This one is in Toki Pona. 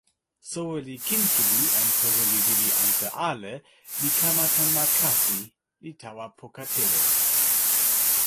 soweli Kinkili en soweli lili ante ale li kama tan ma kasi, li tawa poka telo.